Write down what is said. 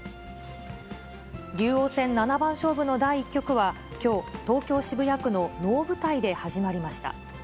竜王戦七番勝負の第１局は、きょう、東京・渋谷区の能舞台で始まりました。